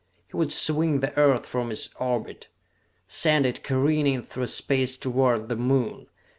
He would swing the Earth from its orbit! send it careening through space toward the Moon!